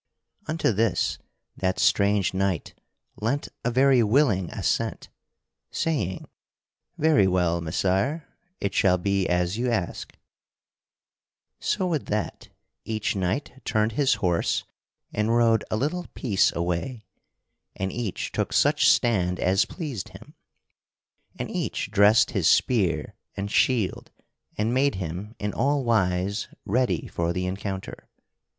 Unto this, that strange knight lent a very willing assent, saying: "Very well, Messire, it shall be as you ask." [Sidenote: Sir Percival doeth battle with the strange knight] So with that each knight turned his horse and rode a little piece away; and each took such stand as pleased him; and each dressed his spear and shield and made him in all wise ready for the encounter.